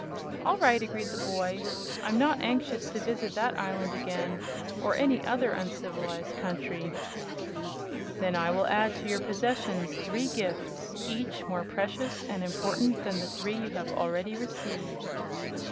"All right," agreed the boy; "I'm not anxious to visit that island again, or any other uncivilized country." "Then I will add to your possessions three gifts, each more precious and important than the three you have already received."